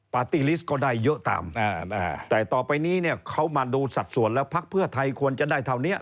ปาร์ตี้ลิสต์ก็ได้เยอะตามแต่ต่อไปนี้เนี่ยเขามาดูสัดส่วนแล้วพักเพื่อไทยควรจะได้เท่านี้